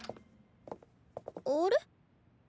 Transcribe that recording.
あれ？